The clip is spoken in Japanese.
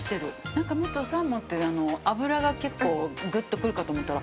なんかもっとサーモンって脂が結構グッとくるかと思ったら。